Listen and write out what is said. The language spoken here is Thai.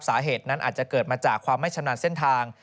สาเหตุนั้นอาจจะเกิดมาจากความไม่ชำนาญเส้นทาง